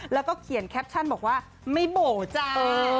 แล้วก็เขียนแคปชั่นบอกว่าไม่โบ๋จ้า